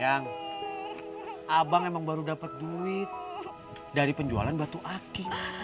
yang abang emang baru dapat duit dari penjualan batu aki